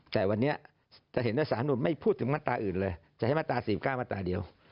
แต่วันนี้จะเห็นว่าสารนุนไม่พูดถึงมาตราอื่นเลยจะให้มาตรา๔๙มาตราเดียว